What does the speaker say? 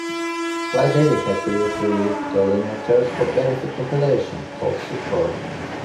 Flydaddy had previously released a Ptolemaic Terrascope benefit compilation called 'Succor.